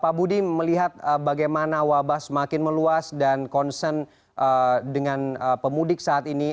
pak budi melihat bagaimana wabah semakin meluas dan concern dengan pemudik saat ini